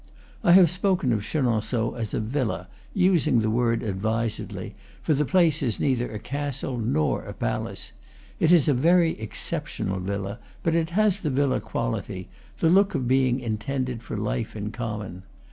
I have spoken of Chenonceaux as a "villa," using the word ad visedly, for the place is neither a castle nor a palace. It is a very exceptional villa, but it has the villa quality, the look of being intended for life in com mon.